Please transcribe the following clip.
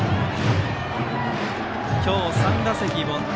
今日３打席凡退。